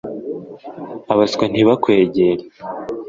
abaswa ntibakwegera